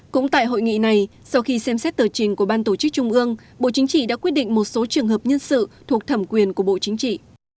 cũng tại hội nghị này sau khi xem xét tờ trình của ban tổ chức trung ương bộ chính trị đã quyết định một số trường hợp nhân sự thuộc thẩm quyền của bộ chính trị